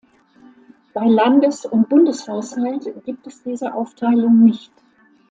Bei Landes- und Bundeshaushalt gibt es diese Aufteilung nicht.